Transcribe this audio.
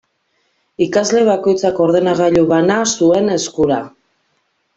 Ikasle bakoitzak ordenagailu bana zuen eskura.